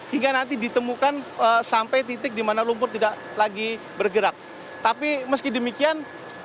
hingga nanti ditemukan sampai titik di mana lumpur tidak lagi bergerak tapi meski demikian